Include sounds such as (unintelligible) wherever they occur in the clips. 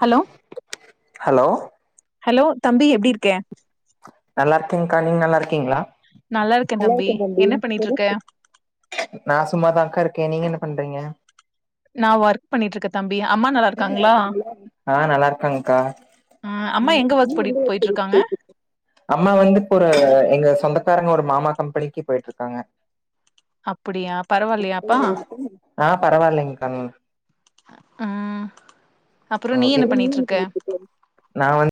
Hello hello hello தம்பி எப்டி இருக்க நல்லாருக்கங்க்கா நீங் நல்லாருக்கீங்ளா நல்லாருக்கே தம்பி என்ன பண்ணிட்ருக்க நா சும்மாதாங்க்கா இருக்கே நீங்க என்ன பண்றீங்க நா ஒர்க் பண்ணிட்ருக்கே தம்பி அம்மா நல்லாருக்காங்களா ஆ நல்லா இருக்காங்க்கா ம் அம்மா எங்க ஒர்க் போடிட் போய்ட்ருக்காங்க அம்மா வந்து இப்பொரு எங்க சொந்தக்காரங்க ஒரு மாமா கம்பெனிக்கு போய்ட்ருக்காங்க அப்புடியா பரவால்லயாப்பா ஆ பரவால்லைங்க்கா ம் அப்பறோ நீ ஓகே என்ன பண்ணிட்ருக்க நா வந்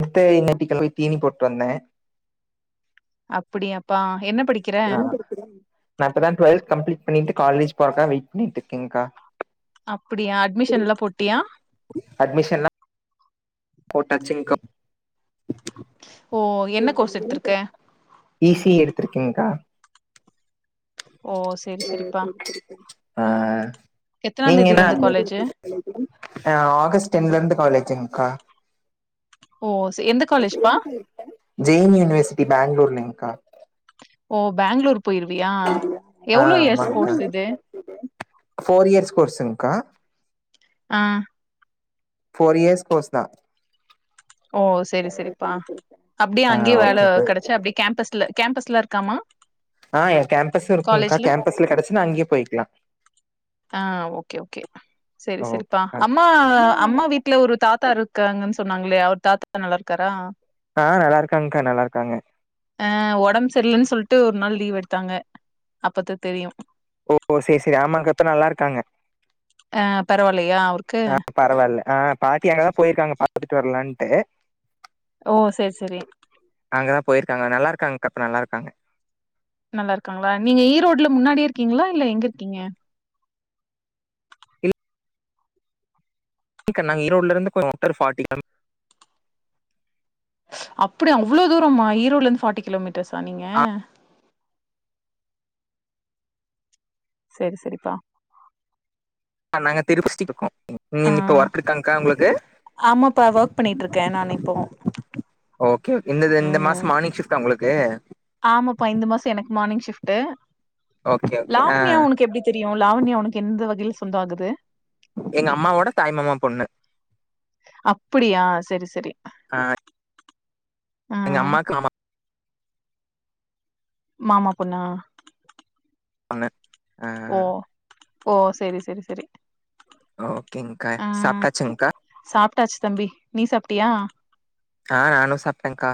(unintelligible) து இந்நேரத்க் போய் தீனி போட்டு வந்தே அப்படியாப்பா என்ன படிக்கிற நா இப்ப தா ட்வெல்த் கம்ப்ளீட் பண்ணிட்டு காலேஜ் போறக்கா வெயிட் பண்ணிட்ருக்கேங்க்கா அப்டியா அட்மிஷன்ல்லா போட்டியா அட்மிஷன்லா போட்டாச்சிங்க்கா ஓ என்ன கோர்ஸ் எடுத்திருக்க ஈஸி எடுத்துருக்கேங்கா ஓ செ ஆ எத்தனாந் நீங்க தேதில என்னா இருந்து காலேஜு ஆ ஆகஸ்ட் டென்லருந்து காலேஜ்ங்கா ஓ ச- எந்த காலேஜ்ப்பா ஜே எம் யூனிவர்சிட்டி பேங்ளூர்லங்கா ஓ பேங்ளுர் போய்ருவியா ஆ எவ்ளோ இயர்ஸ் ஆமாங்க்கா கோர்ஸ் இது ஃபோர் இயர்ஸ் கோர்ஸ்ங்கா ஆ ஃபோர் இயர்ஸ் கோர்ஸ்தா ஓ செரி செரிப்பா அப்டியே ஆ அங்கயே வேல ஓகேக்கா கெடைச்சா அப்டியே கேம்பஸ்ல கேம்பஸ்லா இருக்காமா ஆ என் கேம்பஸ்ம் இருக்கும்கா காலேஜ்ல கேம்பஸ்ல கிடைச்சுனா அங்யே போய்க்லா ஆ ஓகே, ஓகே. சரி, சரிப்பா. ஓகே அம்மா, அம்மா வீட் ல ஒரு தாத்தா இருக்காங்கன் சொன்னாங்களே அவர் தாத்தா நல்லாருக்காரா ஆ நல்லா இருக்காங்க்கா. நல்லாருக்காங்க. அ உடம்பு செர்லன் சொல்ட்டு ஒரு நாள் லீவ் எடுத்தாங்க அப்பத்தா தெரியு ஓ செரி செரி ஆமாக்கா இப்ப நல்லாருக்காங்க ஆ பரவால்லையா அவ்ருக்கு பரவால்ல ஆ பாட்டி அங்கதா போயிருக்காங்க பாத்துட்டு வரலான்ட்டு ஓ செரி செரி அங்கதா போயிருக்கங்க நல்லாருக்காங்க்கா இப்ப நல்லாருக்காங்க நல்லாருக்காங்களா நீங்க ஈரோடு்ல முன்னாடியே இருக்கீங்களா இல்ல எங்க இருக்கீங்க க்கா நாங் ஈரோடுல இருந்து (unintelligible) அப்டிஅவ்ளோ தூரமா ஈரோட்ல இருந்து ஃபார்ட்டி கிலோமீட்டர்ஸா நீங்க செரி செரிப்பா ஆ நாங்க திருப்பஸ்டி பக்கோ ஆ உம் இப்ப ஒர்க் இருக்காங்க்கா உங்ளுக்கு ஆமாப்பா ஒர்க் பண்ணிட்டு இருக்கே நானு இப்போ ஓகே ஓகே இந்த இந்த ம் மாச மார்னிங் ஷிஃப்ட்டா உங்ளுக்கு ஆமாப்பா இந்த மாச எனக்கு மார்னிங் ஷிப்ட்டு ஓகே ஓகே ஆ லாவண்யா உனக்கு எப்டி தெரியு லாவண்யா உனக்கு எந்த வகைல சொந்த ஆகுது எங்க அம்மாவோட தாய்மாமா பொண்ணு அப்டியா செரி செரி எங்க அம்மாக்கு மாமா மாமா பொண்ணா பொண்ணு ஆ ஓ ஓ செரி செரி செரி ஓகேங்க்கா சாப்ட்டாச்சுங்கா சாப்ட்டாச்சு தம்பி நீ சாப்ட்டியா ஆ நானு சாப்ட்டேங்க்கா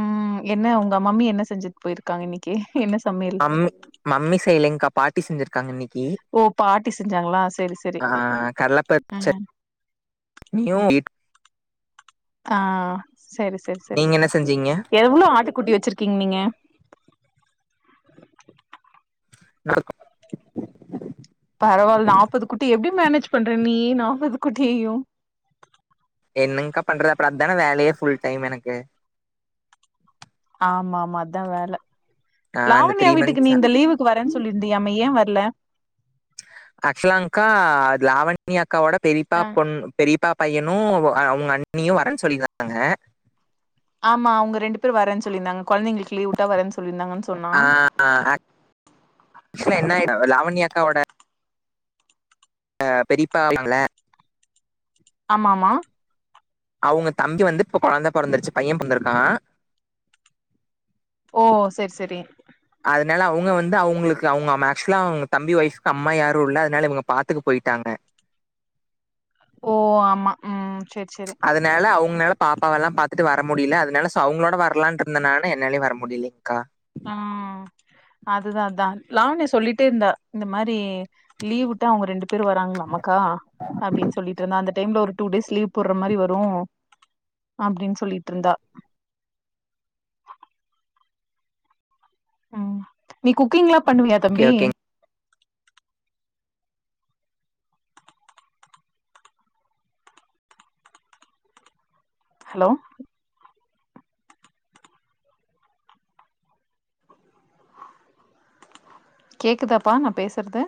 ம் என்ன உங்க மம்மி என்ன செஞ்சிட்டு போயிருக்காங்க இன்னைக்கி என்ன சமையல் ம் மம்மி செய்யலங்க்கா பாட்டி செஞ்சிருக்காங்க இன்னைக்கி ஓ பாட்டி செஞ்சாங்களா செரி செரி ஆ கடலப்பருப்பு ம் (unintelligible) ஆ சரி சரி சரி நீங்க என்ன செஞ்சீங்க எவ்ளோ ஆட்டு குட்டி வச்சிருக்கீங்க நீங்க (unintelligible) பரவால்ல நாப்பது குட்டி எப்படி மேனேஜ் பண்ற நீ நாப்பது குட்டியயு என்ங்கா பண்ற அப்ற அதான வேலையே ஃபுல் டைம் எனக்கு ஆமா ஆமா அதா வேல ஆ இந்த லாவண்யா த்ரீ வீட்டுக்கு நீ மந்த்ஸா இந்த லீவுக்கு வரே சொல்லிருந்தியாமே ஏன் வரல ஆக்சுலாங்க்கா அது லாவண்யா அக்காவோட பெரிப்பா ஆ பொண்ணு பெரிப்பா பையனு அவங்க அண்ணியு வரேன் சொல்லிருந்தாங்க ஆமா அவுங்க இரண்டு பேர் வரன் சொல்லிருந்தாங்க கொழந்தைங்களுக்கு லீவு விட்டா வரன் சொல்லி இருந்தாங்கன் சொல் ஆ ஆ ஆக் என்ன ஆட லாவண்ய அக்கோட பெரிப்பங்கல ஆம ஆமா அவுங்க தம்பி வந்து இப்ப கொழந்தா பொறந்தருச்சு பையன் பொறந்திருக்கா ஓ சேர் சேரி அதுனால அவுங்க வந்து அவுங்ளுக்கு அவுங்க ஆக்சுவலா அவுங்க தம்பி ஒயிஃப்கு அம்மா யாருல்ல அதுனால இவுங்க பாத்துக்க போயிட்டாங்க ஓ ஆமா ம் சேர் அதனால அவுங்கனால பாப்பா எல்லா பாத்துட்டு வர முடியல அதனால சோ அவங்களோட வரலான்ட்டு இருந்தே நானு என்னாலையு வர முடியலங்க்கா அ அதுதா தா லாவண்யா சொல்லிட்டே இருந்தா இந்த மாரி லீவ் வுட்டா அவுங்க ரெண்டு பேர் வராங்களாமாக்கா அப்டின்னு சொல்லிட்டு இருந்தா அந்த டைம்ல ஒரு டூ டேஸ் லீவ் போடுற மாரி வரு அப்டின்னு சொல்லிட்டு இருந்தா ம் நீ குக்கிங் எல்லா பண்ணுவியா ஓகே தம்பி ஓகே ஹலோ கேக்குதாப்பா நா பேசுறது